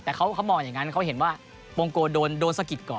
แต่เขามองอย่างนั้นเขาเห็นว่ามงโกโดนสะกิดก่อน